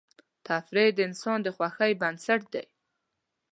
تفریح د انسان د خوښۍ بنسټ دی.